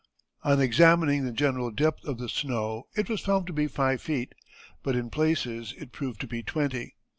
On examining the general depth of the snow it was found to be five feet, but in places it proved to be twenty.